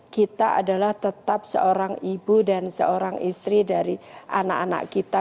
kita adalah tetap seorang ibu dan seorang istri dari anak anak kita